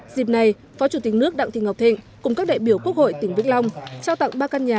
dịp này phó chủ tịch nước đặng thị ngọc thịnh cùng các đại biểu quốc hội tỉnh vĩnh long trao tặng ba căn nhà